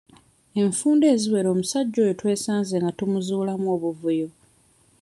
Enfunda eziwera omusajja oyo twesanze nga tumuzuulamu obuvuyo.